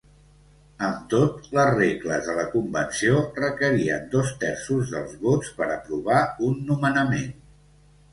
Amb tot, les regles de la convenció requerien dos terços dels vots per aprovar un nomenament.